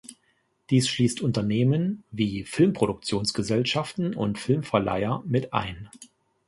Dies schließt Unternehmen wie Filmproduktionsgesellschaften und Filmverleiher mit ein.